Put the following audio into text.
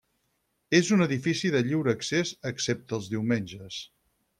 És un edifici de lliure accés, excepte els diumenges.